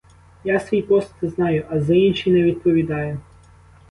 Я свій пост знаю, а за інші не відповідаю.